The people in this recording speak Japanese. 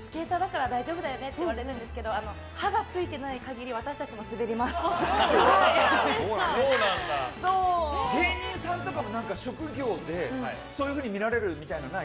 スケーターだから大丈夫だよねって言われるんだけど刃がついてない限り芸人さんとかも職業でそういうふうに見られるみたいなのない？